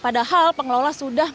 padahal pengelola sudah